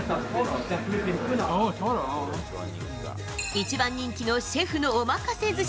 一番人気のシェフのおまかせずし。